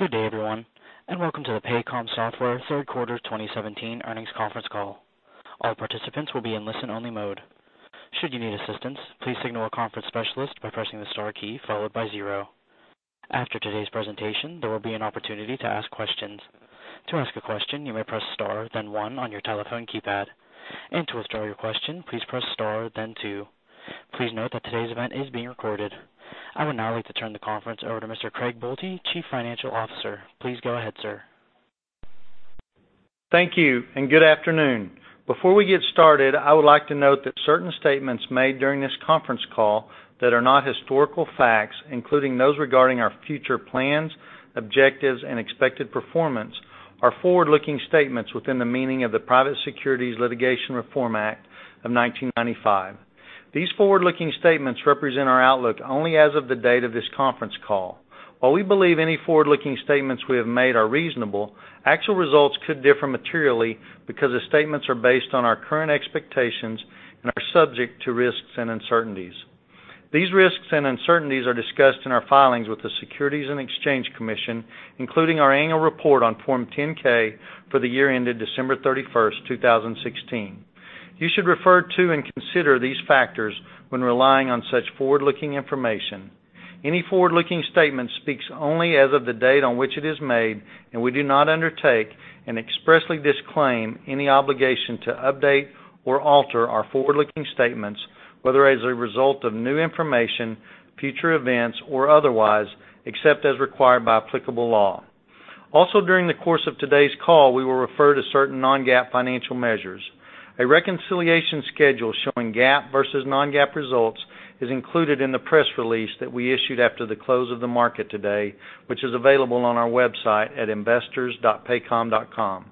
Good day, everyone, and welcome to the Paycom Software third quarter 2017 earnings conference call. All participants will be in listen-only mode. Should you need assistance, please signal a conference specialist by pressing the star key followed by zero. After today's presentation, there will be an opportunity to ask questions. To ask a question, you may press star then one on your telephone keypad. To withdraw your question, please press star then two. Please note that today's event is being recorded. I would now like to turn the conference over to Mr. Craig Boelte, Chief Financial Officer. Please go ahead, sir. Thank you, and good afternoon. Before we get started, I would like to note that certain statements made during this conference call that are not historical facts, including those regarding our future plans, objectives, and expected performance, are forward-looking statements within the meaning of the Private Securities Litigation Reform Act of 1995. These forward-looking statements represent our outlook only as of the date of this conference call. While we believe any forward-looking statements we have made are reasonable, actual results could differ materially because the statements are based on our current expectations and are subject to risks and uncertainties. These risks and uncertainties are discussed in our filings with the Securities and Exchange Commission, including our annual report on Form 10-K for the year ended December 31st, 2016. You should refer to and consider these factors when relying on such forward-looking information. Any forward-looking statement speaks only as of the date on which it is made. We do not undertake and expressly disclaim any obligation to update or alter our forward-looking statements, whether as a result of new information, future events, or otherwise, except as required by applicable law. Also, during the course of today's call, we will refer to certain non-GAAP financial measures. A reconciliation schedule showing GAAP versus non-GAAP results is included in the press release that we issued after the close of the market today, which is available on our website at investors.paycom.com.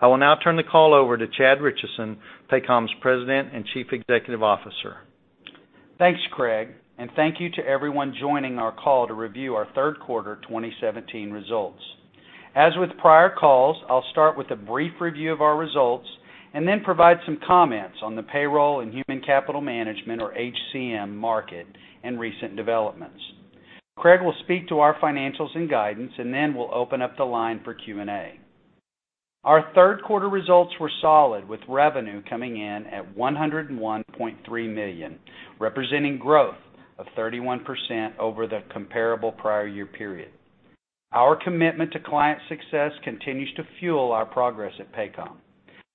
I will now turn the call over to Chad Richison, Paycom's President and Chief Executive Officer. Thanks, Craig, and thank you to everyone joining our call to review our third quarter 2017 results. As with prior calls, I'll start with a brief review of our results and then provide some comments on the payroll and human capital management or HCM market and recent developments. Craig will speak to our financials and guidance. Then we'll open up the line for Q&A. Our third quarter results were solid, with revenue coming in at $101.3 million, representing growth of 31% over the comparable prior year period. Our commitment to client success continues to fuel our progress at Paycom.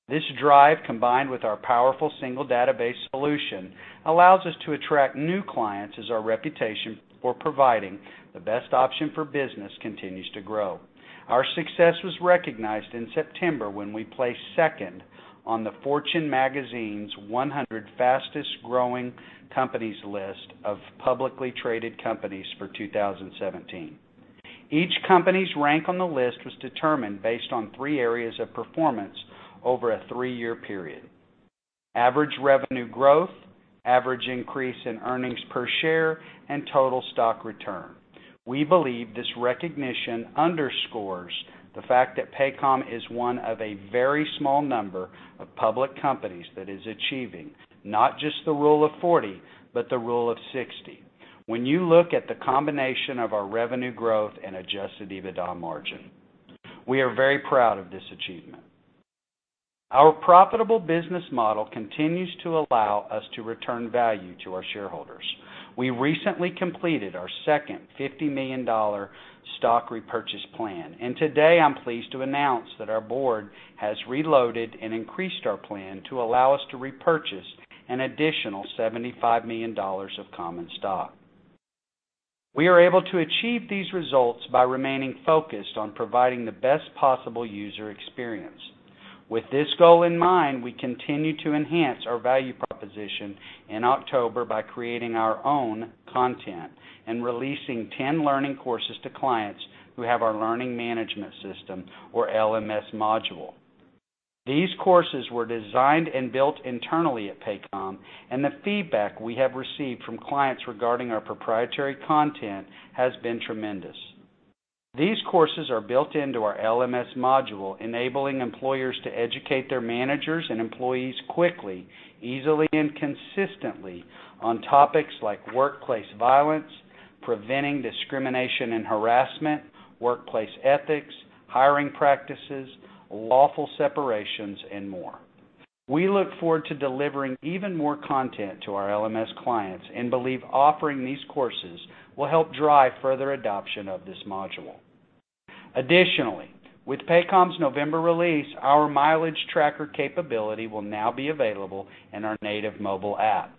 This drive, combined with our powerful single database solution, allows us to attract new clients as our reputation for providing the best option for business continues to grow. Our success was recognized in September when we placed second on the Fortune magazine's 100 Fastest-Growing Companies list of publicly traded companies for 2017. Each company's rank on the list was determined based on three areas of performance over a three-year period. Average revenue growth, average increase in earnings per share, and total stock return. We believe this recognition underscores the fact that Paycom is one of a very small number of public companies that is achieving not just the rule of 40, but the rule of 60 when you look at the combination of our revenue growth and adjusted EBITDA margin. We are very proud of this achievement. Our profitable business model continues to allow us to return value to our shareholders. We recently completed our second $50 million stock repurchase plan. Today I'm pleased to announce that our board has reloaded and increased our plan to allow us to repurchase an additional $75 million of common stock. We are able to achieve these results by remaining focused on providing the best possible user experience. With this goal in mind, we continued to enhance our value proposition in October by creating our own content and releasing 10 learning courses to clients who have our learning management system or LMS module. These courses were designed and built internally at Paycom, and the feedback we have received from clients regarding our proprietary content has been tremendous. These courses are built into our LMS module, enabling employers to educate their managers and employees quickly, easily, and consistently on topics like workplace violence, preventing discrimination and harassment, workplace ethics, hiring practices, lawful separations, and more. We look forward to delivering even more content to our LMS clients and believe offering these courses will help drive further adoption of this module. Additionally, with Paycom's November release, our Mileage Tracker capability will now be available in our native mobile app.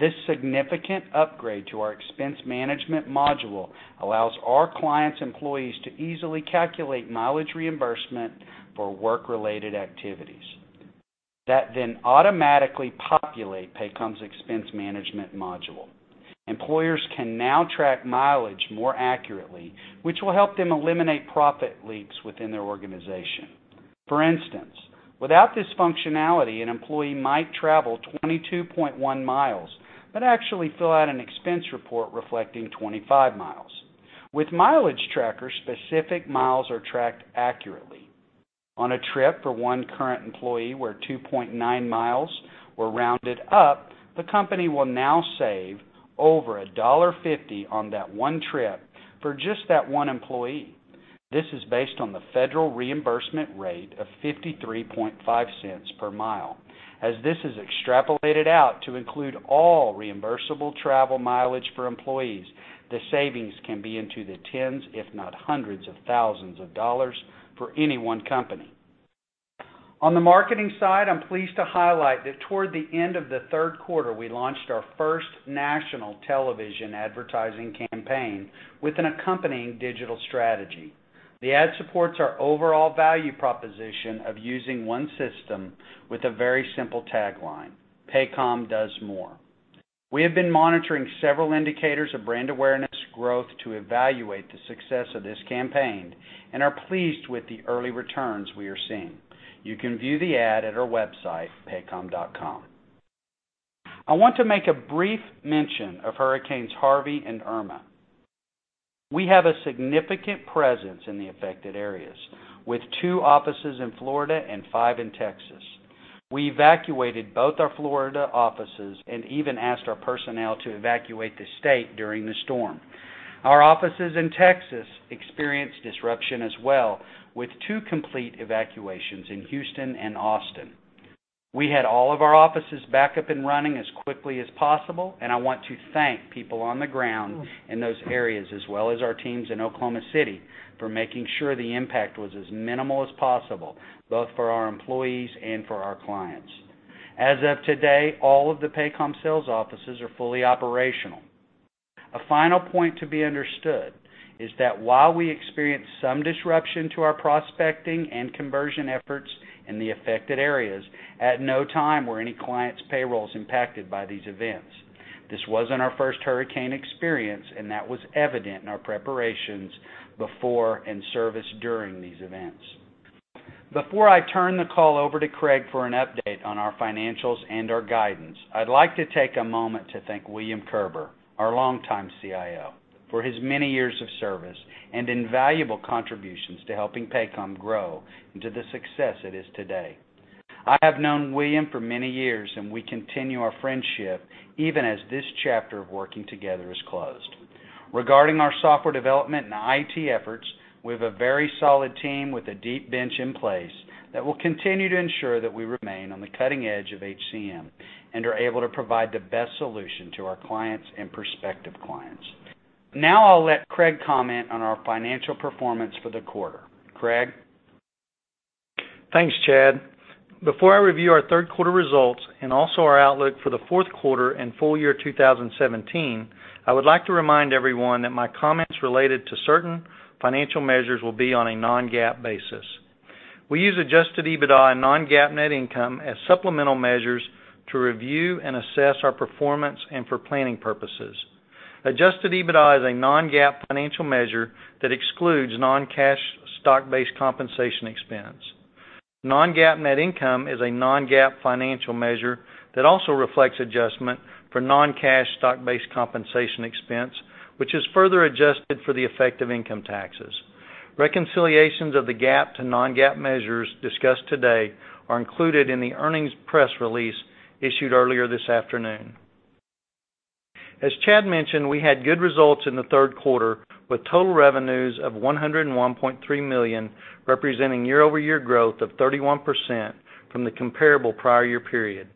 This significant upgrade to our expense management module allows our clients' employees to easily calculate mileage reimbursement for work-related activities that then automatically populate Paycom's expense management module. Employers can now track mileage more accurately, which will help them eliminate profit leaks within their organization. For instance, without this functionality, an employee might travel 22.1 miles but actually fill out an expense report reflecting 25 miles. With Mileage Tracker, specific miles are tracked accurately. On a trip for one current employee where 2.9 miles were rounded up, the company will now save over $1.50 on that one trip for just that one employee. This is based on the federal reimbursement rate of $0.535 per mile. As this is extrapolated out to include all reimbursable travel mileage for employees, the savings can be into the tens, if not hundreds of thousands of dollars for any one company. On the marketing side, I'm pleased to highlight that toward the end of the third quarter, we launched our first national television advertising campaign with an accompanying digital strategy. The ad supports our overall value proposition of using one system with a very simple tagline, "Paycom does more." We have been monitoring several indicators of brand awareness growth to evaluate the success of this campaign and are pleased with the early returns we are seeing. You can view the ad at our website, paycom.com. I want to make a brief mention of hurricanes Harvey and Irma. We have a significant presence in the affected areas, with two offices in Florida and five in Texas. We evacuated both our Florida offices and even asked our personnel to evacuate the state during the storm. Our offices in Texas experienced disruption as well, with two complete evacuations in Houston and Austin. We had all of our offices back up and running as quickly as possible, and I want to thank people on the ground in those areas, as well as our teams in Oklahoma City, for making sure the impact was as minimal as possible, both for our employees and for our clients. As of today, all of the Paycom sales offices are fully operational. A final point to be understood is that while we experienced some disruption to our prospecting and conversion efforts in the affected areas, at no time were any clients' payrolls impacted by these events. This wasn't our first hurricane experience. That was evident in our preparations before and service during these events. Before I turn the call over to Craig for an update on our financials and our guidance, I'd like to take a moment to thank William Kerber, our longtime CIO, for his many years of service and invaluable contributions to helping Paycom grow into the success it is today. I have known William for many years, and we continue our friendship even as this chapter of working together is closed. Regarding our software development and IT efforts, we have a very solid team with a deep bench in place that will continue to ensure that we remain on the cutting edge of HCM and are able to provide the best solution to our clients and prospective clients. I'll let Craig comment on our financial performance for the quarter. Craig? Thanks, Chad. Before I review our third quarter results and also our outlook for the fourth quarter and full year 2017, I would like to remind everyone that my comments related to certain financial measures will be on a non-GAAP basis. We use adjusted EBITDA and non-GAAP net income as supplemental measures to review and assess our performance and for planning purposes. Adjusted EBITDA is a non-GAAP financial measure that excludes non-cash stock-based compensation expense. Non-GAAP net income is a non-GAAP financial measure that also reflects adjustment for non-cash stock-based compensation expense, which is further adjusted for the effect of income taxes. Reconciliations of the GAAP to non-GAAP measures discussed today are included in the earnings press release issued earlier this afternoon. As Chad mentioned, we had good results in the third quarter with total revenues of $101.3 million, representing year-over-year growth of 31% from the comparable prior year period.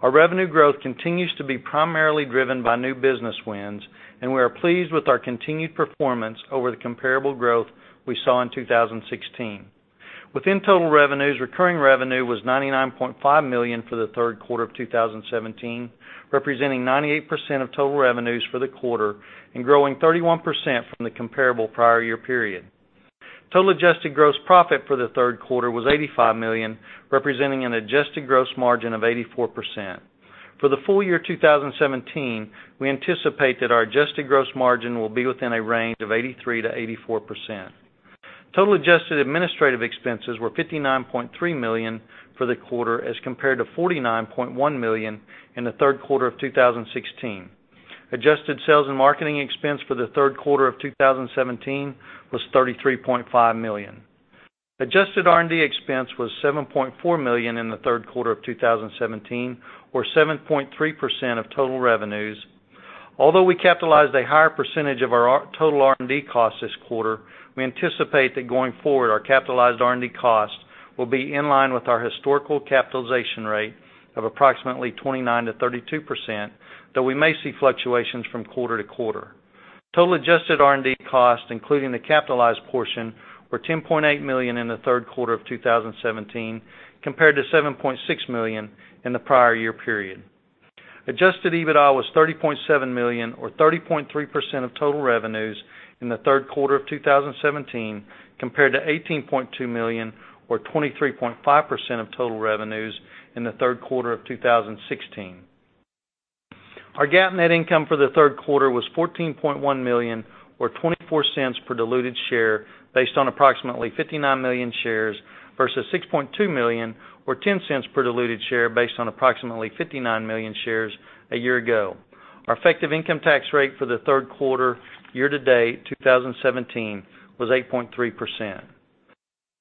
Our revenue growth continues to be primarily driven by new business wins. We are pleased with our continued performance over the comparable growth we saw in 2016. Within total revenues, recurring revenue was $99.5 million for the third quarter of 2017, representing 98% of total revenues for the quarter and growing 31% from the comparable prior year period. Total adjusted gross profit for the third quarter was $85 million, representing an adjusted gross margin of 84%. For the full year 2017, we anticipate that our adjusted gross margin will be within a range of 83%-84%. Total adjusted administrative expenses were $59.3 million for the quarter as compared to $49.1 million in the third quarter of 2016. Adjusted sales and marketing expense for the third quarter of 2017 was $33.5 million. Adjusted R&D expense was $7.4 million in the third quarter of 2017, or 7.3% of total revenues. Although we capitalized a higher percentage of our total R&D costs this quarter, we anticipate that going forward, our capitalized R&D costs will be in line with our historical capitalization rate of approximately 29%-32%, though we may see fluctuations from quarter to quarter. Total adjusted R&D costs, including the capitalized portion, were $10.8 million in the third quarter of 2017, compared to $7.6 million in the prior year period. Adjusted EBITDA was $30.7 million or 30.3% of total revenues in the third quarter of 2017, compared to $18.2 million or 23.5% of total revenues in the third quarter of 2016. Our GAAP net income for the third quarter was $14.1 million, or $0.24 per diluted share based on approximately 59 million shares, versus $6.2 million, or $0.10 per diluted share based on approximately 59 million shares a year ago. Our effective income tax rate for the third quarter year-to-date 2017 was 8.3%.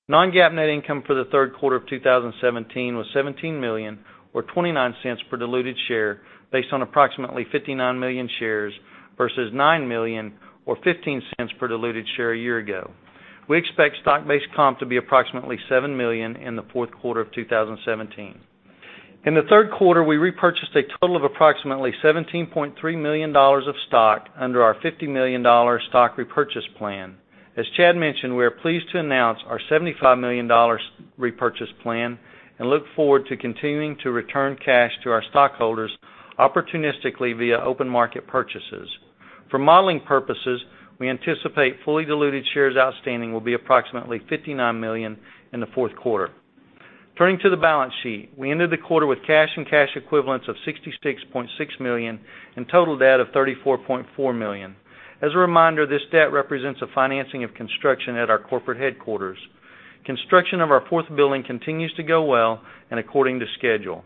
Non-GAAP net income for the third quarter of 2017 was $17 million, or $0.29 per diluted share, based on approximately 59 million shares versus $9 million or $0.15 per diluted share a year ago. We expect stock-based comp to be approximately $7 million in the fourth quarter of 2017. In the third quarter, we repurchased a total of approximately $17.3 million of stock under our $50 million stock repurchase plan. As Chad mentioned, we are pleased to announce our $75 million repurchase plan and look forward to continuing to return cash to our stockholders opportunistically via open market purchases. For modeling purposes, we anticipate fully diluted shares outstanding will be approximately 59 million in the fourth quarter. Turning to the balance sheet. We ended the quarter with cash and cash equivalents of $66.6 million and total debt of $34.4 million. As a reminder, this debt represents a financing of construction at our corporate headquarters. Construction of our fourth building continues to go well and according to schedule.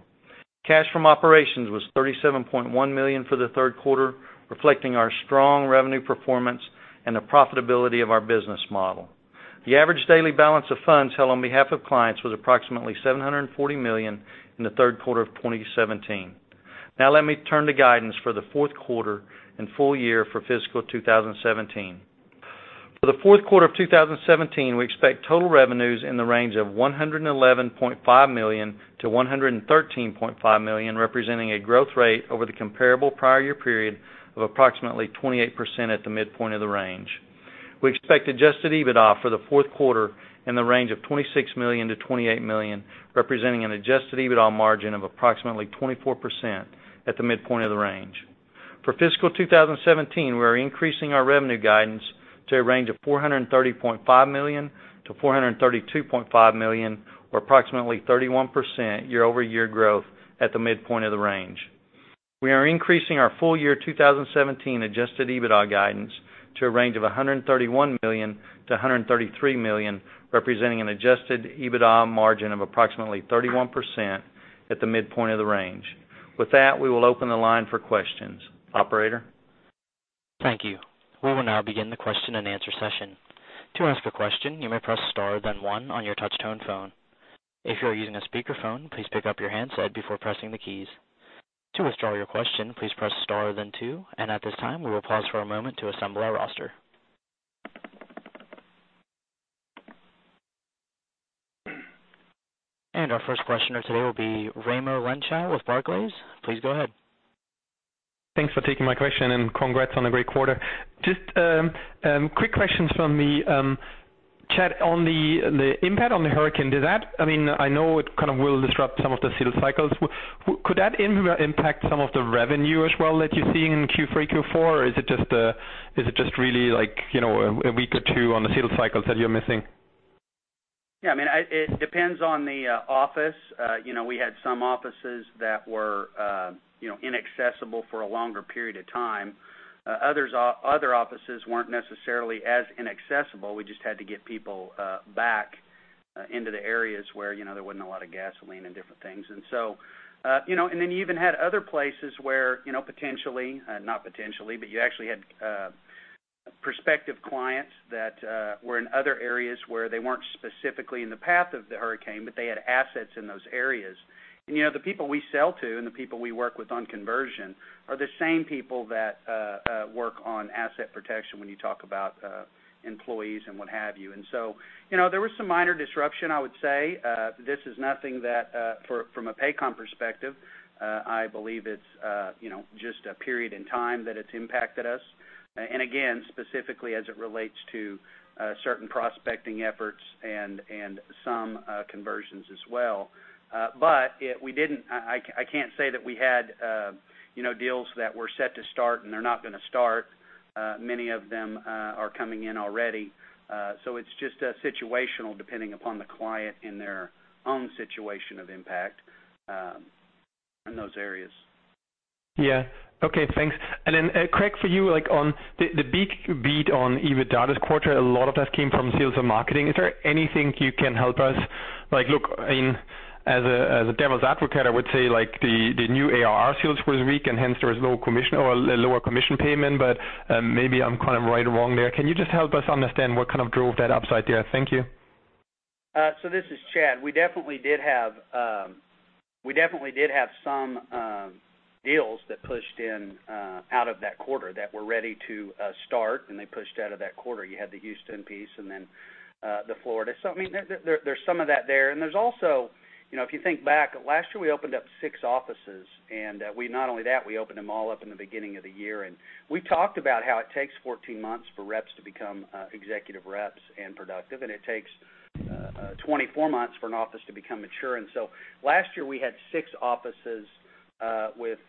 Cash from operations was $37.1 million for the third quarter, reflecting our strong revenue performance and the profitability of our business model. The average daily balance of funds held on behalf of clients was approximately $740 million in the third quarter of 2017. Now let me turn to guidance for the fourth quarter and full year for fiscal 2017. For the fourth quarter of 2017, we expect total revenues in the range of $111.5 million-$113.5 million, representing a growth rate over the comparable prior year period of approximately 28% at the midpoint of the range. We expect adjusted EBITDA for the fourth quarter in the range of $26 million-$28 million, representing an adjusted EBITDA margin of approximately 24% at the midpoint of the range. For fiscal 2017, we are increasing our revenue guidance to a range of $430.5 million-$432.5 million, or approximately 31% year-over-year growth at the midpoint of the range. We are increasing our full year 2017 adjusted EBITDA guidance to a range of $131 million-$133 million, representing an adjusted EBITDA margin of approximately 31% at the midpoint of the range. With that, we will open the line for questions. Operator? Thank you. We will now begin the question and answer session. To ask a question, you may press star, then one on your touch tone phone. If you are using a speakerphone, please pick up your handset before pressing the keys. To withdraw your question, please press star, then two. At this time, we will pause for a moment to assemble our roster. Our first questioner today will be Raimo Lenschow with Barclays. Please go ahead. Thanks for taking my question and congrats on a great quarter. Just quick questions from me. Chad, on the impact on the hurricane, I know it kind of will disrupt some of the sales cycles. Could that impact some of the revenue as well that you're seeing in Q3, Q4? Or is it just really a week or two on the sales cycles that you're missing? Yeah, it depends on the office. We had some offices that were inaccessible for a longer period of time. Other offices weren't necessarily as inaccessible. We just had to get people back into the areas where there wasn't a lot of gasoline and different things. Then you even had other places where potentially, not potentially, but you actually had prospective clients that were in other areas where they weren't specifically in the path of the hurricane, but they had assets in those areas. The people we sell to and the people we work with on conversion are the same people that work on asset protection when you talk about employees and what have you. So, there was some minor disruption, I would say. This is nothing that, from a Paycom perspective, I believe it's just a period in time that it's impacted us. Again, specifically as it relates to certain prospecting efforts and some conversions as well. I can't say that we had deals that were set to start and they're not going to start. Many of them are coming in already. It's just situational, depending upon the client and their own situation of impact in those areas. Okay, thanks. Craig, for you, on the big beat on EBITDA this quarter, a lot of that came from sales and marketing. Is there anything you can help us, look, as a devil's advocate, I would say the new ARR sales was weak, and hence there was lower commission payment, but maybe I'm kind of right or wrong there. Can you just help us understand what kind of drove that upside there? Thank you. This is Chad. We definitely did have some deals that pushed in out of that quarter that were ready to start, and they pushed out of that quarter. You had the Houston piece and then the Florida. There's some of that there. There's also, if you think back, last year, we opened up 6 offices, not only that, we opened them all up in the beginning of the year. We talked about how it takes 14 months for reps to become executive reps and productive, and it takes 24 months for an office to become mature. Last year, we had 6 offices with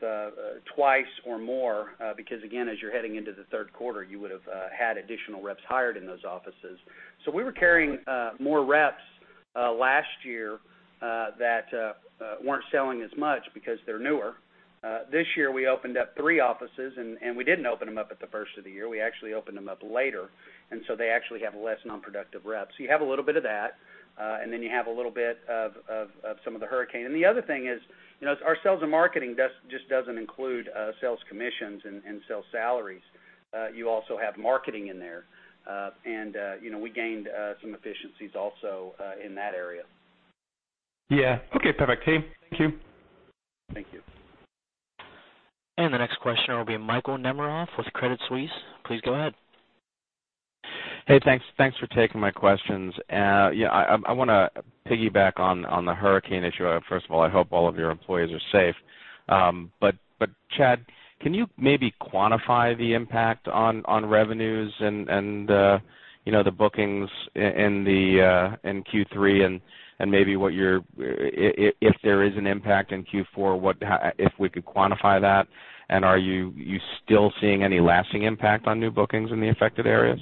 twice or more, because again, as you're heading into the third quarter, you would have had additional reps hired in those offices. We were carrying more reps last year that weren't selling as much because they're newer. This year, we opened up 3 offices, we didn't open them up at the first of the year. We actually opened them up later. They actually have less non-productive reps. You have a little bit of that. You have a little bit of some of the hurricane. The other thing is, our sales and marketing just doesn't include sales commissions and sales salaries. You also have marketing in there. We gained some efficiencies also in that area. Yeah. Okay, perfect. Thank you. Thank you. The next question will be Michael Nemerov with Credit Suisse. Please go ahead. Hey, thanks for taking my questions. I want to piggyback on the hurricane issue. First of all, I hope all of your employees are safe. Chad, can you maybe quantify the impact on revenues and the bookings in Q3 and maybe if there is an impact in Q4, if we could quantify that? Are you still seeing any lasting impact on new bookings in the affected areas?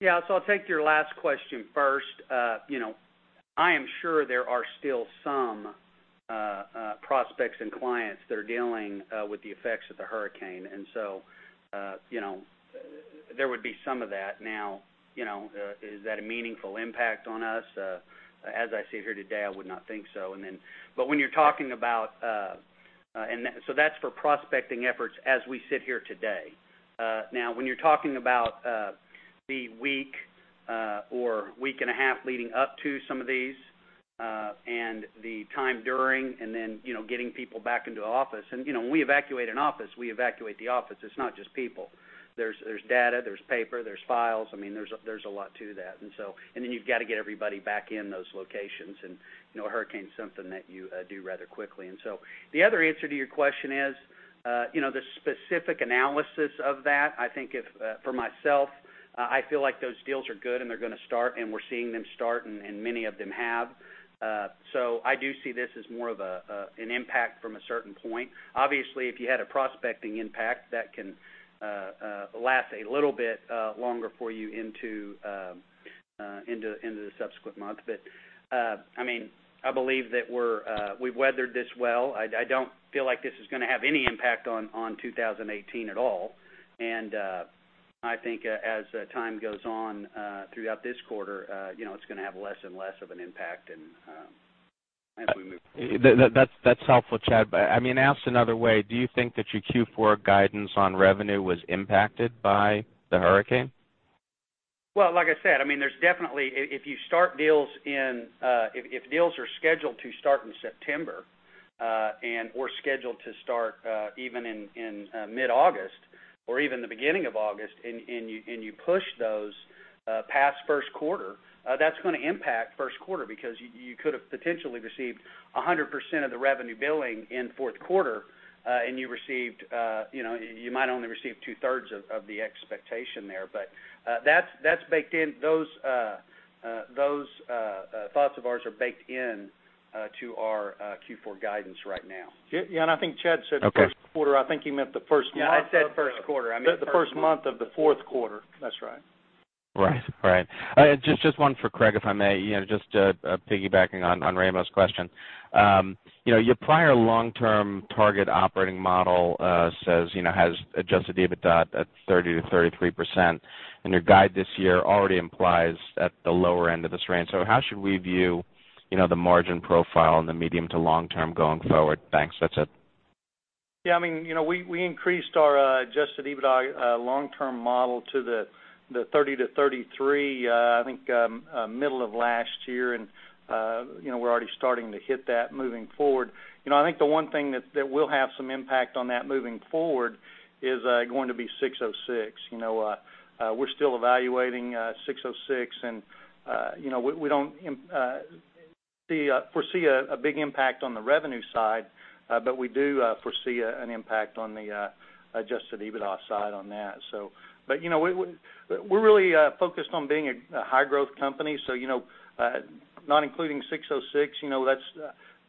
Yeah. I'll take your last question first. I am sure there are still some prospects and clients that are dealing with the effects of the hurricane. There would be some of that. Now, is that a meaningful impact on us? As I sit here today, I would not think so. That's for prospecting efforts as we sit here today. Now, when you're talking about the week or week and a half leading up to some of these, and the time during, and then getting people back into office. When we evacuate an office, we evacuate the office. It's not just people. There's data, there's paper, there's files. There's a lot to that. You've got to get everybody back in those locations, and a hurricane is something that you do rather quickly. The other answer to your question is, the specific analysis of that, I think for myself, I feel like those deals are good and they're going to start, and we're seeing them start, and many of them have. I do see this as more of an impact from a certain point. Obviously, if you had a prospecting impact, that can last a little bit longer for you into the subsequent month. I believe that we've weathered this well. I don't feel like this is going to have any impact on 2018 at all. I think as time goes on throughout this quarter, it's going to have less and less of an impact as we move forward. That's helpful, Chad. Asked another way, do you think that your Q4 guidance on revenue was impacted by the hurricane? Well, like I said, if deals are scheduled to start in September, or scheduled to start even in mid-August, or even the beginning of August, and you push those past first quarter, that's going to impact first quarter because you could have potentially received 100% of the revenue billing in fourth quarter, and you might only receive two-thirds of the expectation there. Those thoughts of ours are baked in to our Q4 guidance right now. Yeah, I think Chad said first quarter. I think he meant the first month. Yeah, I said first quarter. I meant first month. The first month of the fourth quarter. That's right. Right. Just one for Craig, if I may, just piggybacking on Raimo's question. Your prior long-term target operating model has adjusted EBITDA at 30%-33%, your guide this year already implies at the lower end of this range. How should we view the margin profile in the medium to long term going forward? Thanks. That's it. We increased our adjusted EBITDA long-term model to the 30%-33%, I think, middle of last year, and we're already starting to hit that moving forward. I think the one thing that will have some impact on that moving forward is going to be 606. We're still evaluating 606, and we don't foresee a big impact on the revenue side, but we do foresee an impact on the adjusted EBITDA side on that. We're really focused on being a high-growth company. Not including 606,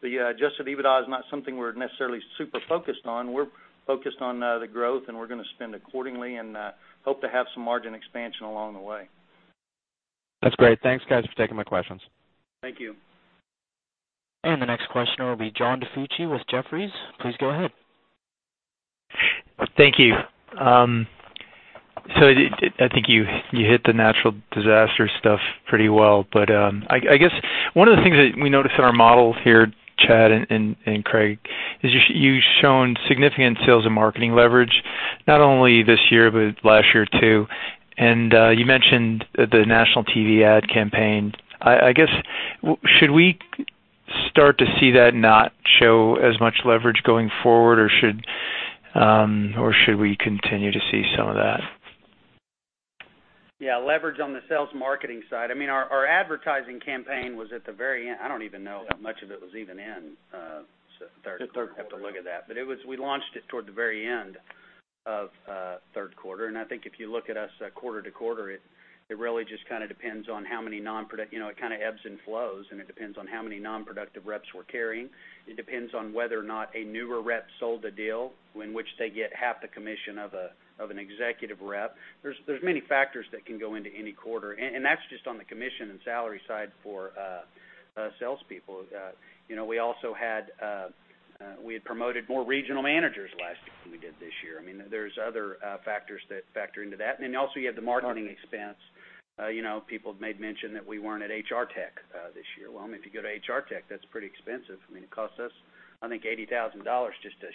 the adjusted EBITDA is not something we're necessarily super focused on. We're focused on the growth, and we're going to spend accordingly and hope to have some margin expansion along the way. That's great. Thanks, guys, for taking my questions. Thank you. The next question will be John DiFucci with Jefferies. Please go ahead. Thank you. I think you hit the natural disaster stuff pretty well. I guess one of the things that we noticed in our model here, Chad and Craig, is you've shown significant sales and marketing leverage, not only this year, but last year, too. You mentioned the national TV ad campaign. I guess, should we start to see that not show as much leverage going forward, or should we continue to see some of that? Yeah, leverage on the sales marketing side. Our advertising campaign was at the very end. I don't even know how much of it was even in third quarter. The third quarter. I'd have to look at that. We launched it toward the very end of third quarter, I think if you look at us quarter to quarter, it ebbs and flows, it depends on how many non-productive reps we're carrying. It depends on whether or not a newer rep sold a deal in which they get half the commission of an executive rep. There's many factors that can go into any quarter, and that's just on the commission and salary side for salespeople. We had promoted more regional managers last year than we did this year. There's other factors that factor into that. You have the marketing expense. People have made mention that we weren't at HR Tech this year. Well, if you go to HR Tech, that's pretty expensive. It costs us, I think, $80,000 just to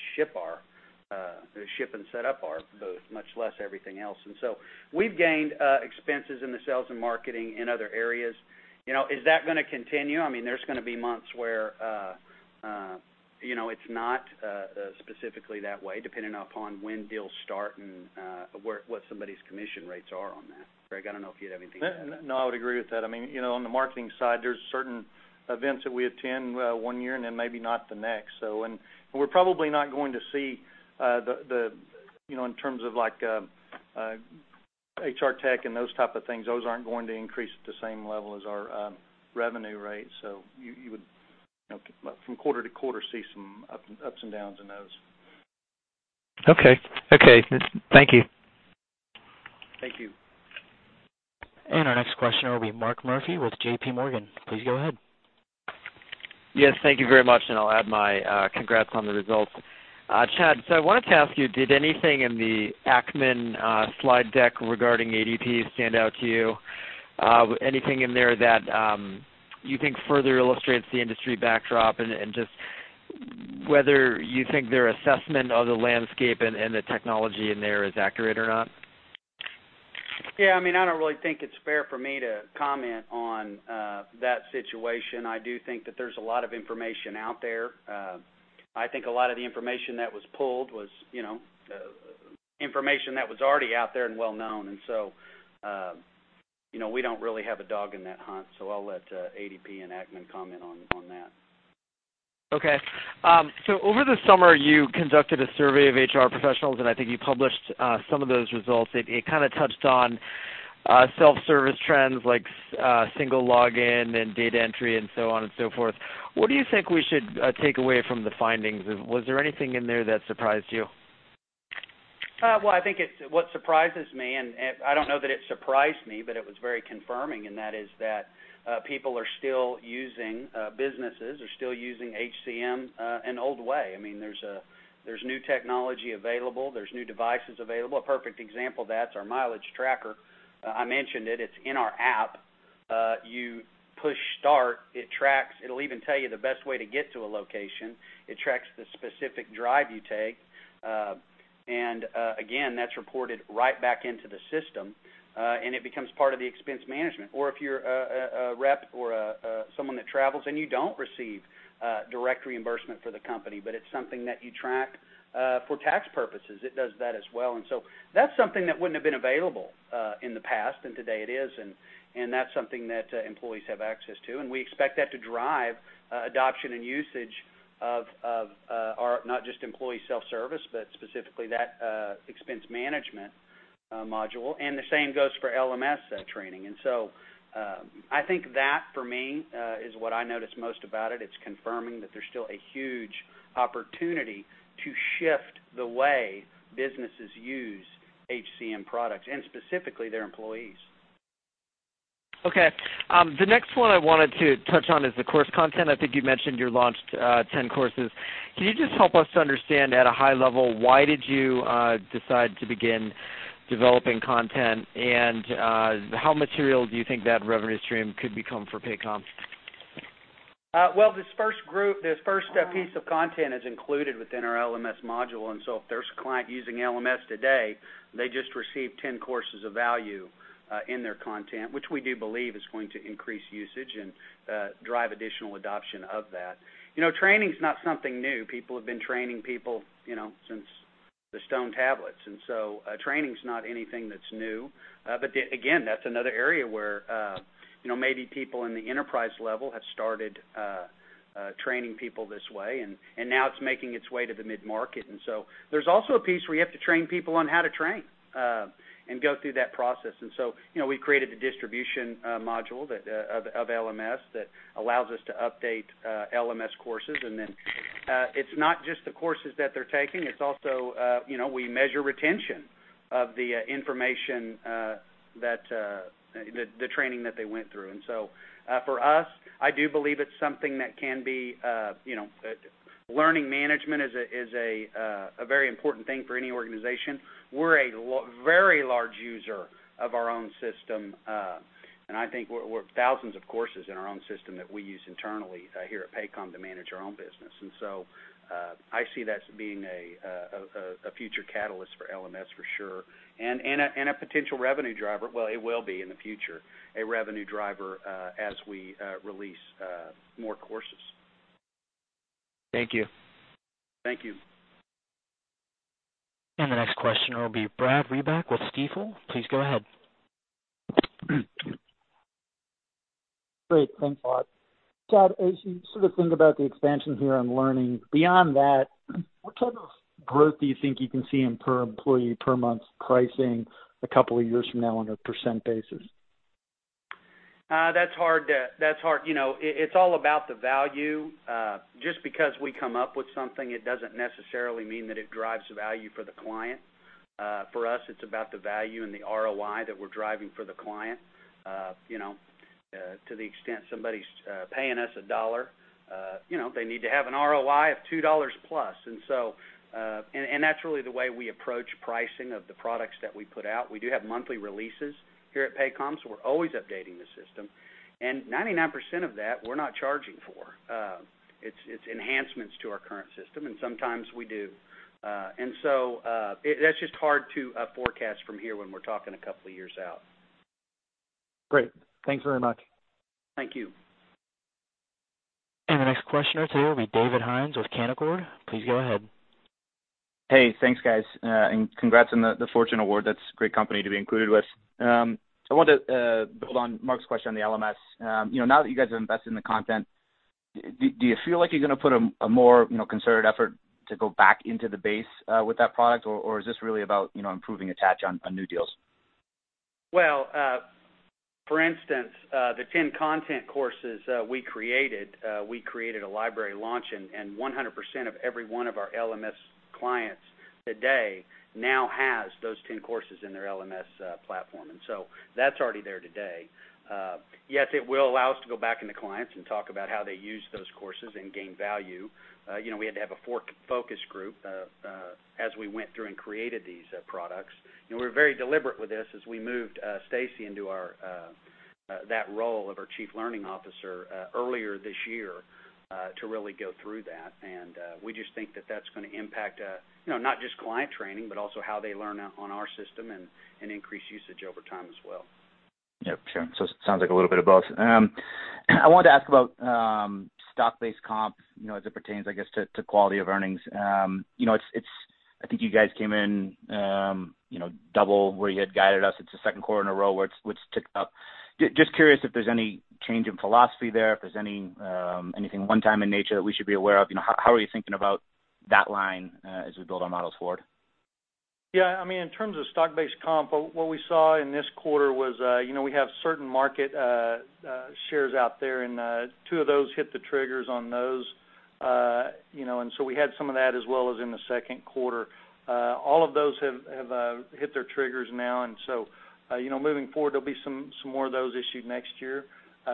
ship and set up our booth, much less everything else. We've gained expenses in the sales and marketing in other areas. Is that going to continue? There's going to be months where it's not specifically that way, depending upon when deals start and what somebody's commission rates are on that. Craig, I don't know if you had anything to add. No, I would agree with that. On the marketing side, there's certain events that we attend one year and then maybe not the next. We're probably not going to see, in terms of HR Tech and those type of things, those aren't going to increase at the same level as our revenue rates. You would, from quarter-to-quarter, see some ups and downs in those. Okay. Thank you. Thank you. Our next question will be Mark Murphy with JPMorgan. Please go ahead. Yes, thank you very much, and I'll add my congrats on the results. Chad, so I wanted to ask you, did anything in the Ackman slide deck regarding ADP stand out to you? Anything in there that you think further illustrates the industry backdrop, and just whether you think their assessment of the landscape and the technology in there is accurate or not? I don't really think it's fair for me to comment on that situation. I do think that there's a lot of information out there. I think a lot of the information that was pulled was information that was already out there and well-known, and so we don't really have a dog in that hunt, so I'll let ADP and Ackman comment on that. Over the summer, you conducted a survey of HR professionals, and I think you published some of those results. It touched on self-service trends, like single login and data entry and so on and so forth. What do you think we should take away from the findings? Was there anything in there that surprised you? I think what surprises me, I don't know that it surprised me, but it was very confirming, that is that people are still using, businesses are still using HCM an old way. There's new technology available. There's new devices available. A perfect example of that's our Mileage Tracker. I mentioned it. It's in our app. You push start, it tracks. It'll even tell you the best way to get to a location. It tracks the specific drive you take. Again, that's reported right back into the system, and it becomes part of the expense management. If you're a rep or someone that travels and you don't receive direct reimbursement for the company, but it's something that you track for tax purposes, it does that as well. That's something that wouldn't have been available in the past, today it is, that's something that employees have access to, we expect that to drive adoption and usage of our, not just employee self-service, but specifically that expense management module, the same goes for LMS training. I think that, for me, is what I notice most about it. It's confirming that there's still a huge opportunity to shift the way businesses use HCM products and specifically their employees. Okay. The next one I wanted to touch on is the course content. I think you mentioned you launched 10 courses. Can you just help us understand at a high level, why did you decide to begin developing content, and how material do you think that revenue stream could become for Paycom? Well, this first group, this first piece of content is included within our LMS module, if there's a client using LMS today, they just received 10 courses of value in their content, which we do believe is going to increase usage and drive additional adoption of that. Training's not something new. People have been training people since the stone tablets, training's not anything that's new. Again, that's another area where maybe people in the enterprise level have started training people this way, now it's making its way to the mid-market, there's also a piece where you have to train people on how to train and go through that process. We created the distribution module of LMS that allows us to update LMS courses. It's not just the courses that they're taking, it's also we measure retention of the information, the training that they went through. For us, I do believe Learning management is a very important thing for any organization. We're a very large user of our own system, and I think we're thousands of courses in our own system that we use internally here at Paycom to manage our own business. I see that as being a future catalyst for LMS, for sure, and a potential revenue driver. It will be, in the future, a revenue driver as we release more courses. Thank you. Thank you. The next question will be Brad Reback with Stifel. Please go ahead. Great. Thanks a lot. [Abhey Lamba], as you think about the expansion here on learning, beyond that, what type of growth do you think you can see in per employee, per month pricing a couple of years from now on a percent basis? That's hard. It's all about the value. Just because we come up with something, it doesn't necessarily mean that it drives value for the client. For us, it's about the value and the ROI that we're driving for the client. To the extent somebody's paying us $1, they need to have an ROI of $2 plus. That's really the way we approach pricing of the products that we put out. We do have monthly releases here at Paycom, so we're always updating the system. 99% of that, we're not charging for. It's enhancements to our current system, and sometimes we do. That's just hard to forecast from here when we're talking a couple of years out. Great. Thanks very much. Thank you. The next question or two will be David Hynes with Canaccord. Please go ahead. Hey. Thanks, guys. Congrats on the Fortune award. That's a great company to be included with. I wanted to build on Mark's question on the LMS. Now that you guys have invested in the content, do you feel like you're going to put a more concerted effort to go back into the base with that product, or is this really about improving attach on new deals? Well, for instance, the 10 content courses we created, we created a library launch, and 100% of every one of our LMS clients today now has those 10 courses in their LMS platform. That's already there today. Yes, it will allow us to go back into clients and talk about how they use those courses and gain value. We had to have a focus group as we went through and created these products. We were very deliberate with this as we moved Stacey into that role of our Chief Learning Officer earlier this year, to really go through that. We just think that that's going to impact not just client training, but also how they learn on our system and increase usage over time as well. Yeah, sure. It sounds like a little bit of both. I wanted to ask about stock-based comp, as it pertains, I guess, to quality of earnings. I think you guys came in double where you had guided us. It's the second quarter in a row where it's ticked up. Just curious if there's any change in philosophy there, if there's anything one-time in nature that we should be aware of. How are you thinking about that line as we build our models forward? Yeah, in terms of stock-based comp, what we saw in this quarter was we have certain market shares out there, and two of those hit the triggers on those. We had some of that as well as in the second quarter. All of those have hit their triggers now, moving forward, there'll be some more of those issued next year.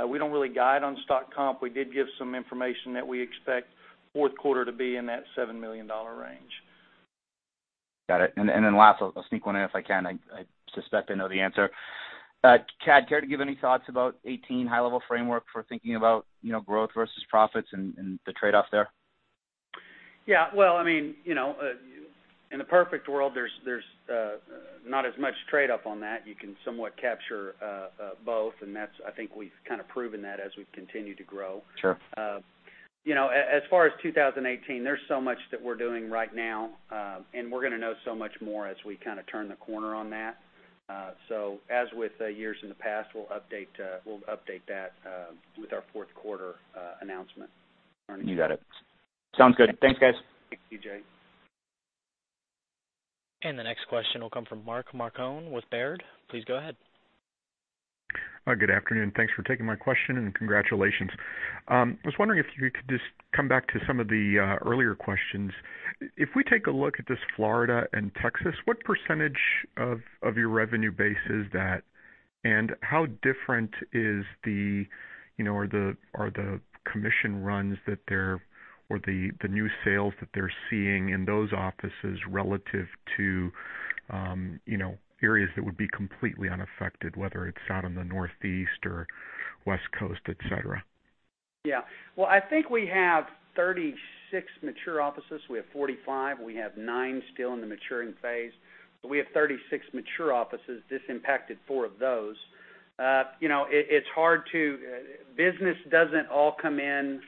We don't really guide on stock comp. We did give some information that we expect fourth quarter to be in that $7 million range. Got it. Last, I'll sneak one in if I can. I suspect I know the answer. Chad, care to give any thoughts about 2018 high-level framework for thinking about growth versus profits and the trade-off there? Yeah. Well, in a perfect world, there's not as much trade-off on that. You can somewhat capture both, and I think we've kind of proven that as we've continued to grow. Sure. As far as 2018, there's so much that we're doing right now, and we're going to know so much more as we kind of turn the corner on that. As with years in the past, we'll update that with our fourth quarter announcement. You got it. Sounds good. Thanks, guys. Thank you, Dave. The next question will come from Mark Marcon with Baird. Please go ahead. Good afternoon. Thanks for taking my question, and congratulations. I was wondering if you could just come back to some of the earlier questions. If we take a look at this Florida and Texas, what % of your revenue base is that, and how different are the commission runs or the new sales that they're seeing in those offices relative to areas that would be completely unaffected, whether it's out in the Northeast or West Coast, et cetera? Well, I think we have 36 mature offices. We have 45, and we have nine still in the maturing phase. We have 36 mature offices. This impacted four of those. Business doesn't all come in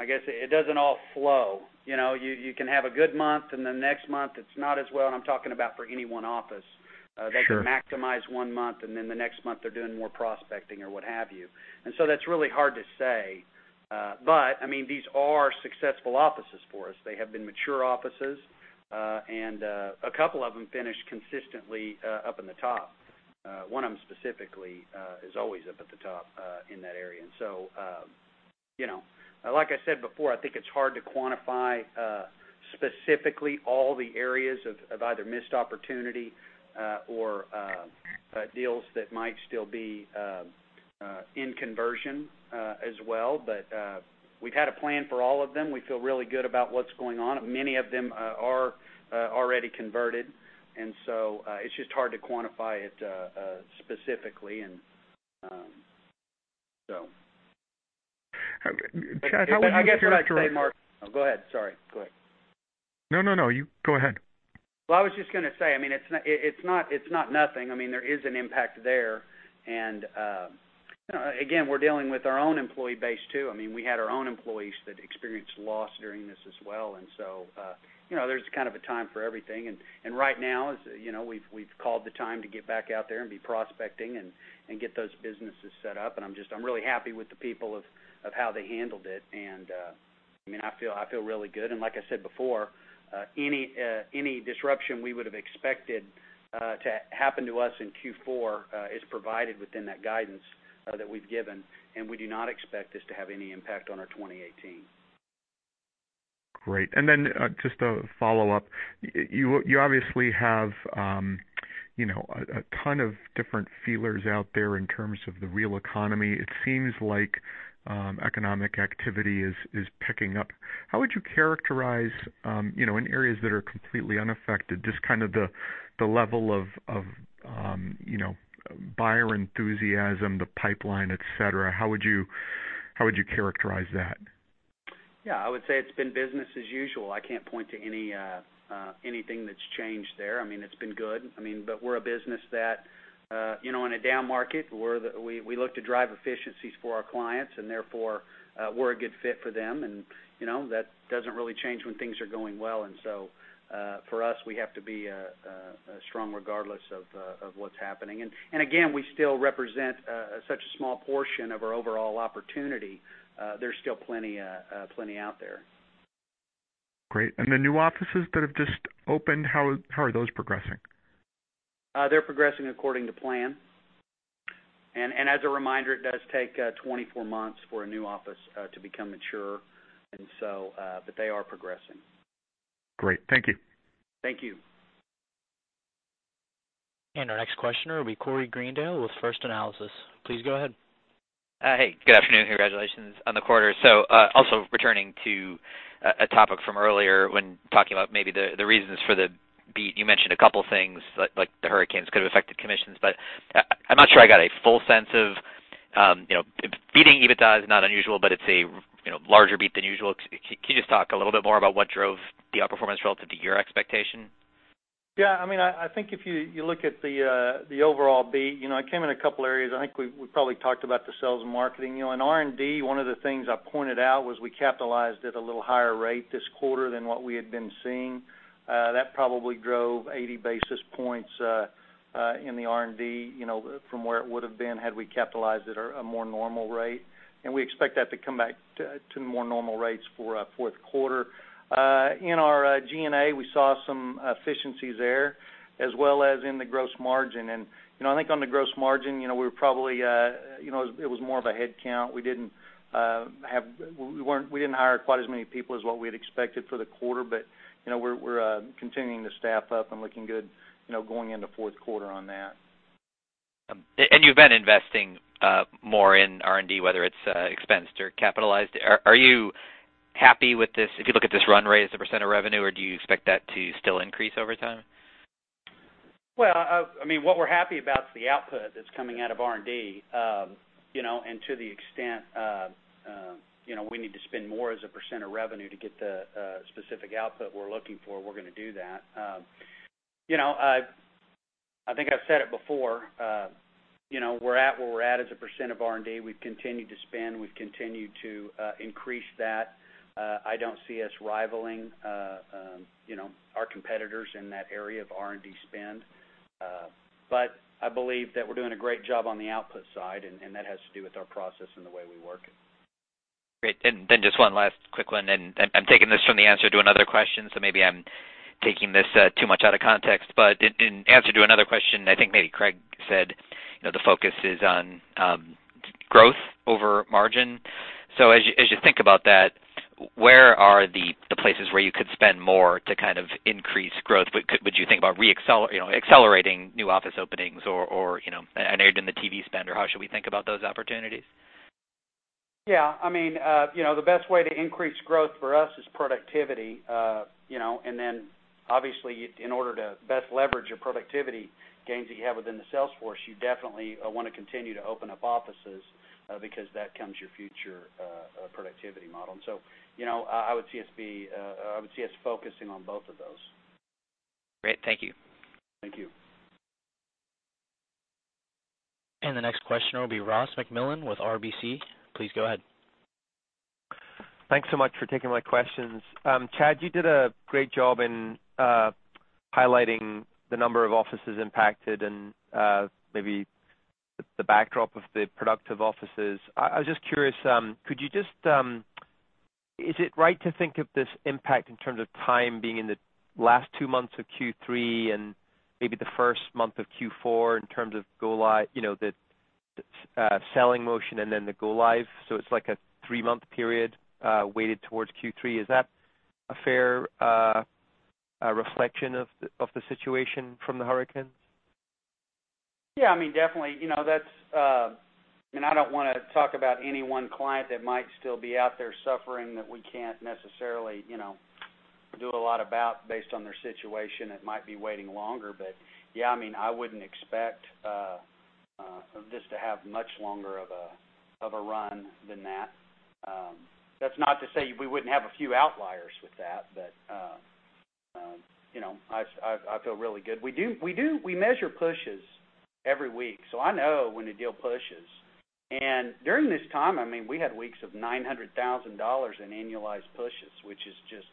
I guess it doesn't all flow. You can have a good month, and the next month it's not as well, and I'm talking about for any one office. Sure. They can maximize one month, and then the next month they're doing more prospecting or what have you. That's really hard to say. These are successful offices for us. They have been mature offices. A couple of them finished consistently up in the top. One of them specifically is always up at the top in that area. Like I said before, I think it's hard to quantify specifically all the areas of either missed opportunity or deals that might still be in conversion as well. We've had a plan for all of them. We feel really good about what's going on. Many of them are already converted, it's just hard to quantify it specifically. Okay. Chad, how would you characterize I guess what I'd say, Mark. Oh, go ahead, sorry. Go ahead. No, no. You go ahead. Well, I was just going to say, it's not nothing. There is an impact there. Again, we're dealing with our own employee base, too. We had our own employees that experienced loss during this as well. So, there's kind of a time for everything. Right now, we've called the time to get back out there and be prospecting and get those businesses set up, and I'm really happy with the people of how they handled it. I feel really good. Like I said before, any disruption we would have expected to happen to us in Q4 is provided within that guidance that we've given, and we do not expect this to have any impact on our 2018. Great. Then just a follow-up. You obviously have a ton of different feelers out there in terms of the real economy. It seems like economic activity is picking up. How would you characterize, in areas that are completely unaffected, just the level of buyer enthusiasm, the pipeline, et cetera? How would you characterize that? Yeah, I would say it's been business as usual. I can't point to anything that's changed there. It's been good. We're a business that, in a down market, we look to drive efficiencies for our clients, and therefore, we're a good fit for them. That doesn't really change when things are going well. So, for us, we have to be strong regardless of what's happening. Again, we still represent such a small portion of our overall opportunity. There's still plenty out there. Great. The new offices that have just opened, how are those progressing? They're progressing according to plan. As a reminder, it does take 24 months for a new office to become mature. They are progressing. Great. Thank you. Thank you. Our next questioner will be Corey Greendale with First Analysis. Please go ahead. Hey, good afternoon. Congratulations on the quarter. Also returning to a topic from earlier when talking about maybe the reasons for the beat, you mentioned two things, like the hurricanes could've affected commissions, but I'm not sure I got a full sense of Beating EBITDA is not unusual, but it's a larger beat than usual. Can you just talk a little bit more about what drove the outperformance relative to your expectation? I think if you look at the overall beat, it came in two areas. I think we probably talked about the sales and marketing. In R&D, one of the things I pointed out was we capitalized at a little higher rate this quarter than what we had been seeing. That probably drove 80 basis points in the R&D, from where it would've been had we capitalized at a more normal rate. We expect that to come back to more normal rates for fourth quarter. In our G&A, we saw some efficiencies there, as well as in the gross margin. I think on the gross margin, it was more of a head count. We didn't hire quite as many people as what we had expected for the quarter, but we're continuing to staff up and looking good going into fourth quarter on that. You've been investing more in R&D, whether it's expensed or capitalized. Are you happy with this if you look at this run rate as a % of revenue, or do you expect that to still increase over time? Well, what we're happy about is the output that's coming out of R&D. To the extent we need to spend more as a % of revenue to get the specific output we're looking for, we're going to do that. I think I've said it before. We're at where we're at as a % of R&D. We've continued to spend, we've continued to increase that. I don't see us rivaling our competitors in that area of R&D spend. I believe that we're doing a great job on the output side, and that has to do with our process and the way we work. Great. Then just one last quick one, and I'm taking this from the answer to another question, maybe I'm taking this too much out of context, in answer to another question, I think maybe Craig said, the focus is on growth over margin. As you think about that, where are the places where you could spend more to kind of increase growth? Would you think about accelerating new office openings, or an ad in the TV spend, or how should we think about those opportunities? Yeah. The best way to increase growth for us is productivity. Then obviously, in order to best leverage your productivity gains that you have within the sales force, you definitely want to continue to open up offices because that becomes your future productivity model. I would see us focusing on both of those. Great. Thank you. Thank you. The next questioner will be Ross MacMillan with RBC. Please go ahead. Thanks so much for taking my questions. Chad, you did a great job in highlighting the number of offices impacted and maybe the backdrop of the productive offices. I was just curious, is it right to think of this impact in terms of time being in the last two months of Q3 and maybe the first month of Q4 in terms of the selling motion and then the go live, so it's like a three-month period weighted towards Q3? Is that a fair reflection of the situation from the hurricanes? Yeah. Definitely. I don't want to talk about any one client that might still be out there suffering that we can't necessarily do a lot about based on their situation, that might be waiting longer. Yeah, I wouldn't expect this to have much longer of a run than that. That's not to say we wouldn't have a few outliers with that, but I feel really good. We measure pushes every week, so I know when a deal pushes. During this time, we had weeks of $900,000 in annualized pushes, which is just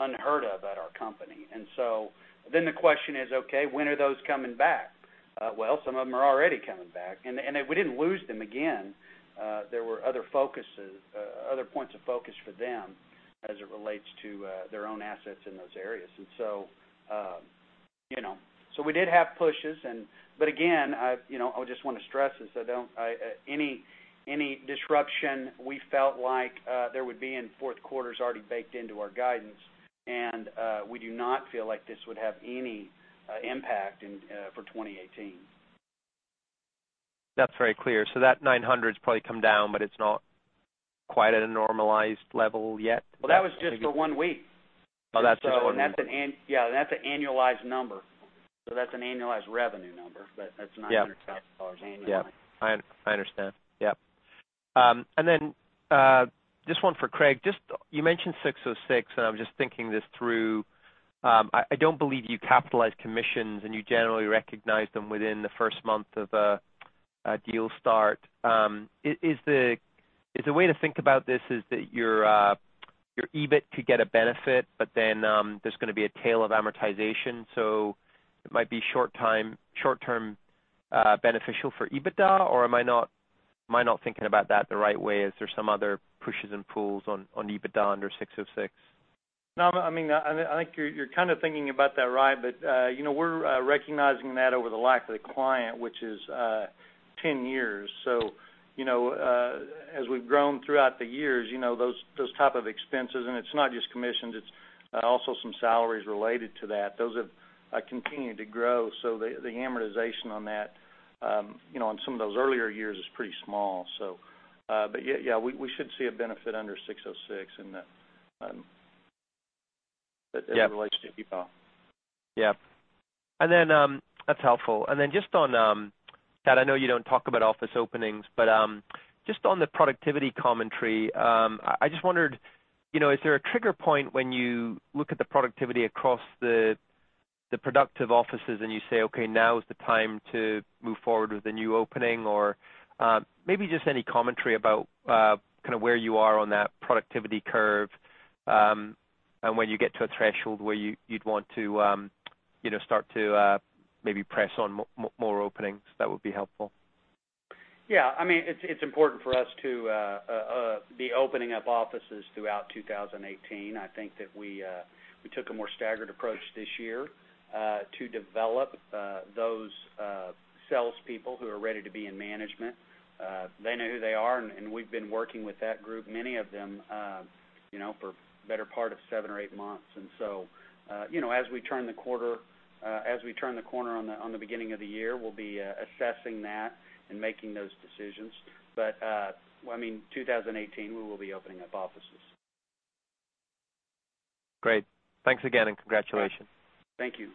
unheard of at our company. The question is, okay, when are those coming back? Well, some of them are already coming back, and we didn't lose them again. There were other points of focus for them as it relates to their own assets in those areas. We did have pushes, but again, I just want to stress this, any disruption we felt like there would be in fourth quarter is already baked into our guidance, and we do not feel like this would have any impact for 2018. That's very clear. That 900's probably come down, but it's not quite at a normalized level yet? That was just for one week. That's just for one week. That's an annualized number. That's an annualized revenue number, but that's $900,000 annually. I understand. This one for Craig. You mentioned 606, and I'm just thinking this through. I don't believe you capitalize commissions, and you generally recognize them within the first month of a deal start. Is the way to think about this is that your EBIT could get a benefit, but then there's going to be a tail of amortization, so it might be short term beneficial for EBITDA? Am I not thinking about that the right way? Is there some other pushes and pulls on EBITDA under 606? I think you're kind of thinking about that right, but we're recognizing that over the life of the client, which is 10 years. As we've grown throughout the years, those type of expenses, and it's not just commissions, it's also some salaries related to that. Those have continued to grow, so the amortization on that on some of those earlier years is pretty small. We should see a benefit under 606 in the- Yeah as it relates to EBITDA. Yeah. That's helpful. Just on, Chad, I know you don't talk about office openings, but just on the productivity commentary, I just wondered, is there a trigger point when you look at the productivity across the productive offices and you say, "Okay, now is the time to move forward with the new opening"? Or maybe just any commentary about where you are on that productivity curve, and when you get to a threshold where you'd want to start to maybe press on more openings. That would be helpful. Yeah. It's important for us to be opening up offices throughout 2018. I think that we took a more staggered approach this year to develop those salespeople who are ready to be in management. They know who they are, and we've been working with that group, many of them, for the better part of seven or eight months. As we turn the corner on the beginning of the year, we'll be assessing that and making those decisions. 2018, we will be opening up offices. Great. Thanks again, and congratulations. Thank you.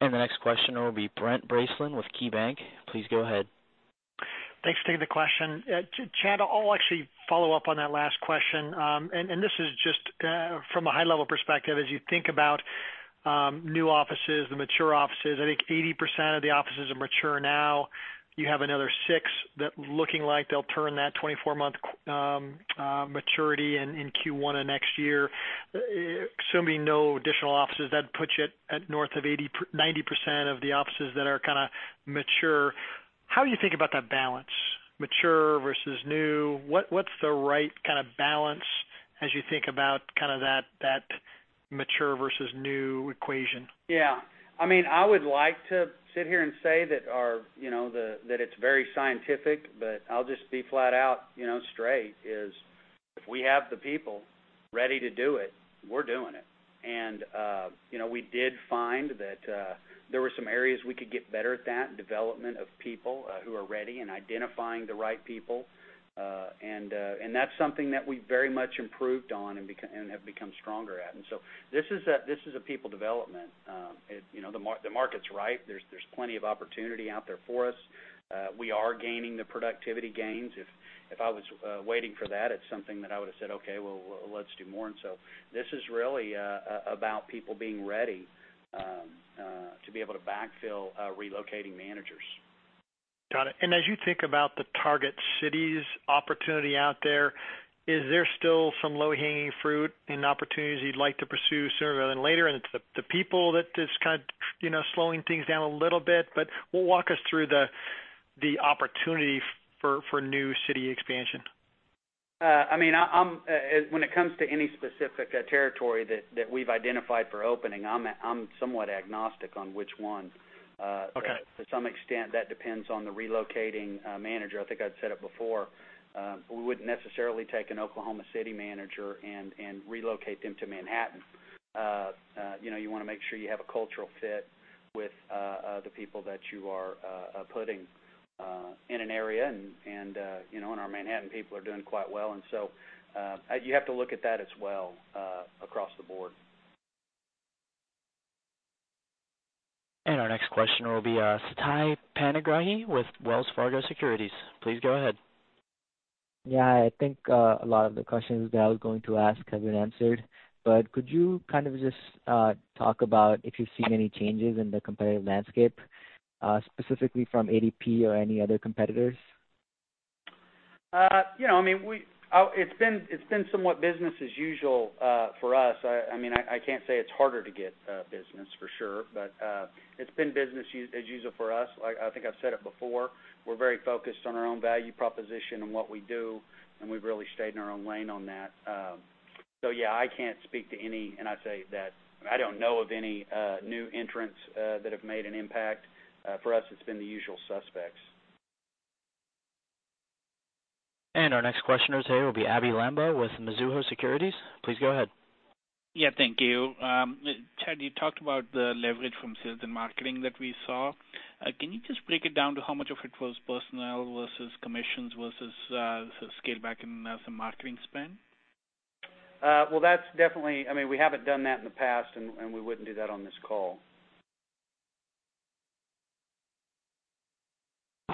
The next question will be Brent Bracelin with KeyBanc. Please go ahead. Thanks for taking the question. Chad, I'll actually follow up on that last question. This is just from a high-level perspective, as you think about new offices, the mature offices, I think 80% of the offices are mature now. You have another six that looking like they'll turn that 24-month maturity in Q1 of next year. Assuming no additional offices, that puts you at north of 90% of the offices that are kind of mature. How do you think about that balance, mature versus new? What's the right kind of balance as you think about that mature versus new equation? Yeah. I would like to sit here and say that it's very scientific, but I'll just be flat out straight is, if we have the people ready to do it, we're doing it. We did find that there were some areas we could get better at that, development of people who are ready and identifying the right people. That's something that we very much improved on and have become stronger at. This is a people development. The market's right. There's plenty of opportunity out there for us. We are gaining the productivity gains. If I was waiting for that, it's something that I would've said, "Okay, well, let's do more." This is really about people being ready to be able to backfill relocating managers. Got it. As you think about the target cities opportunity out there, is there still some low-hanging fruit and opportunities you'd like to pursue sooner rather than later, and it's the people that is kind of slowing things down a little bit? Walk us through the opportunity for new city expansion. When it comes to any specific territory that we've identified for opening, I'm somewhat agnostic on which one. Okay. To some extent, that depends on the relocating manager. I think I've said it before. We wouldn't necessarily take an Oklahoma City manager and relocate them to Manhattan. You want to make sure you have a cultural fit with the people that you are putting in an area, and our Manhattan people are doing quite well. You have to look at that as well across the board. Our next question will be Siti Panigrahi with Wells Fargo Securities. Please go ahead. Yeah, I think a lot of the questions that I was going to ask have been answered, but could you kind of just talk about if you've seen any changes in the competitive landscape, specifically from ADP or any other competitors? It's been somewhat business as usual for us. I can't say it's harder to get business, for sure, but it's been business as usual for us. I think I've said it before, we're very focused on our own value proposition and what we do, and we've really stayed in our own lane on that. Yeah, I can't speak to any, and I'd say that I don't know of any new entrants that have made an impact. For us, it's been the usual suspects. Our next questioner today will be Abhey Lamba with Mizuho Securities. Please go ahead. Thank you. Chad, you talked about the leverage from sales and marketing that we saw. Can you just break it down to how much of it was personnel versus commissions versus scale back in some marketing spend? We haven't done that in the past, and we wouldn't do that on this call.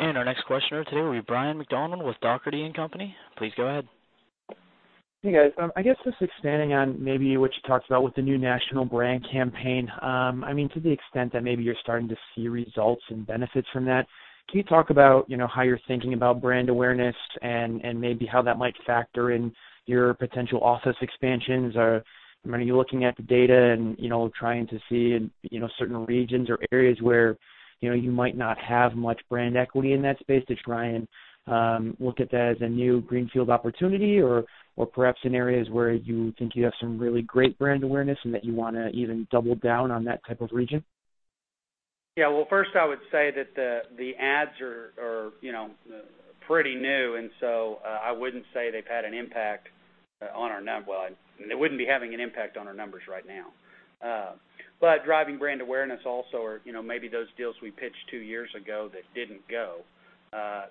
Our next questioner today will be Ryan MacDonald with Dougherty & Company. Please go ahead. Hey, guys. I guess just expanding on maybe what you talked about with the new national brand campaign, to the extent that maybe you're starting to see results and benefits from that, can you talk about how you're thinking about brand awareness and maybe how that might factor in your potential office expansions? Are you looking at the data and trying to see certain regions or areas where you might not have much brand equity in that space to try and look at that as a new greenfield opportunity? Perhaps in areas where you think you have some really great brand awareness and that you want to even double down on that type of region? Yeah. Well, first I would say that the ads are pretty new, I wouldn't say they've had an impact on our Well, they wouldn't be having an impact on our numbers right now. Driving brand awareness also, or maybe those deals we pitched two years ago that didn't go,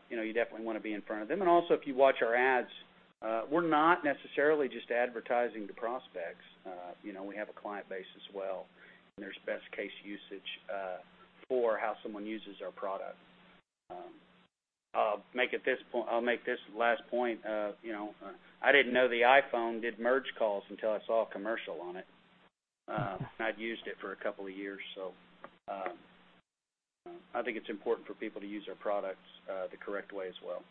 you definitely want to be in front of them. Also, if you watch our ads, we're not necessarily just advertising to prospects. We have a client base as well, and there's best case usage for how someone uses our product. I'll make this last point. I didn't know the iPhone did merge calls until I saw a commercial on it, and I'd used it for a couple of years. I think it's important for people to use our products the correct way as well.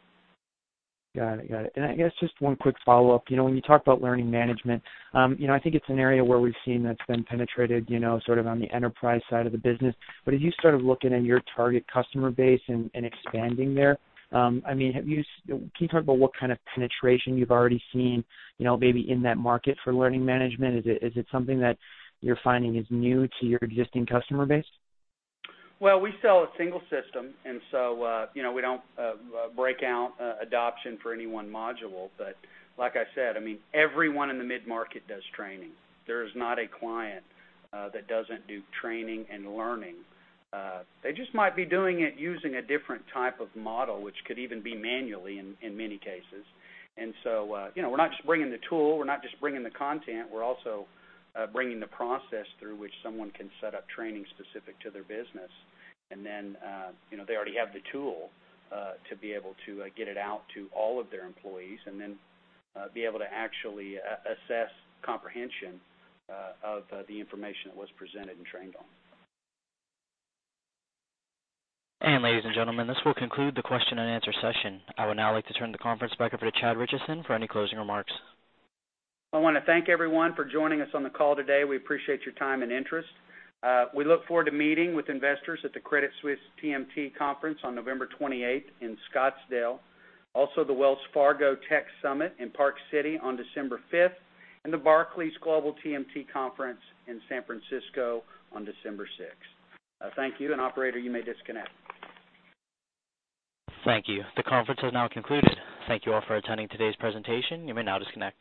Got it. I guess just one quick follow-up. When you talk about learning management, I think it's an area where we've seen that's been penetrated sort of on the enterprise side of the business. As you start looking at your target customer base and expanding there, can you talk about what kind of penetration you've already seen maybe in that market for learning management? Is it something that you're finding is new to your existing customer base? We sell a single system, so we do not break out adoption for any one module. Like I said, everyone in the mid-market does training. There is not a client that does not do training and learning. They just might be doing it using a different type of model, which could even be manually in many cases. So, we are not just bringing the tool, we are not just bringing the content, we are also bringing the process through which someone can set up training specific to their business. Then, they already have the tool to be able to get it out to all of their employees, be able to actually assess comprehension of the information that was presented and trained on. Ladies and gentlemen, this will conclude the question and answer session. I would now like to turn the conference back over to Chad Richison for any closing remarks. I want to thank everyone for joining us on the call today. We appreciate your time and interest. We look forward to meeting with investors at the Credit Suisse TMT Conference on November 28th in Scottsdale. The Wells Fargo Tech Summit in Park City on December 5th, and the Barclays Global TMT Conference in San Francisco on December 6th. Thank you, operator, you may disconnect. Thank you. The conference has now concluded. Thank you all for attending today's presentation. You may now disconnect.